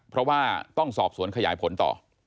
เพราะว่าต้องสอบสวนขยายผลต่อ